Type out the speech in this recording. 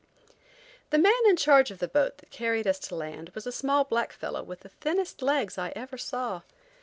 The man in charge of the boat that carried us to land was a small black fellow with the thinnest legs I ever saw.